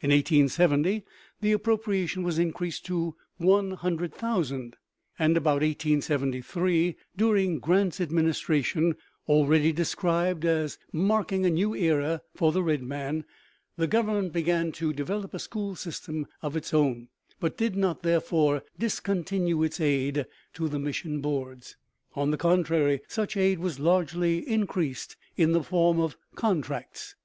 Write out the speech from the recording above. In 1870 the appropriation was increased to one hundred thousand; and about 1873, during Grant's administration, already described as marking a new era for the red man, the Government began to develop a school system of its own, but did not therefore discontinue its aid to the mission boards. On the contrary, such aid was largely increased in the form of "contracts."